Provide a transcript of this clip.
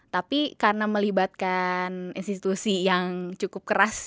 tapi karena melibatkan institusi yang cukup keras